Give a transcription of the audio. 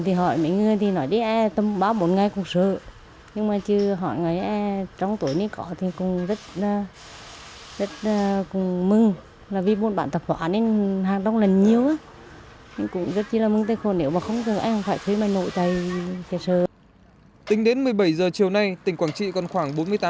tính đến một mươi bảy h chiều nay tỉnh quảng trị còn khoảng bốn mươi tám phút